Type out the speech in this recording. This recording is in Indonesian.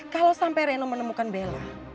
kalo sampe reno menemukan bella